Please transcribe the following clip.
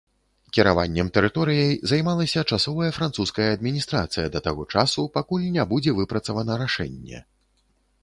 Кіраваннем тэрыторыяй займалася часовая французская адміністрацыя да таго часу, пакуль не будзе выпрацавана рашэнне.